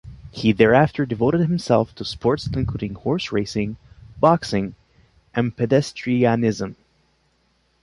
He thereafter devoted himself to sports including horse racing, boxing and pedestrianism.